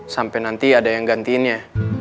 sampai nanti ada yang gantiinnya